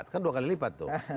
kan dua kali lipat tuh